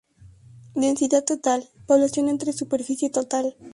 Densidad total: población entre superficie total.